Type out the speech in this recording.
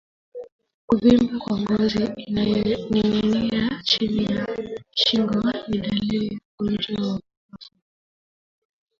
Kuvimba kwa ngozi inayoninginia chini ya shingo ni dalili ya ugonjwa wa mapafu